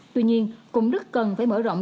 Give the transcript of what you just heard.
tuy nhiên cũng rất cần phải mở rộng